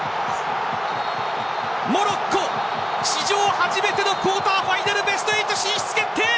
モロッコ、史上初めてのクォーターファイナルベスト８進出決定。